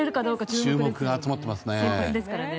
注目が集まっていますね。